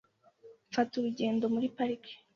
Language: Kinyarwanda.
Mfata urugendo muri parike .